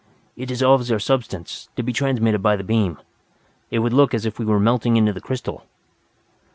"It dissolves our substance, to be transmitted by the beam. It would look as if we were melting into the crystal."